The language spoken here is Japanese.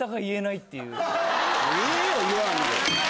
ええよ言わんで！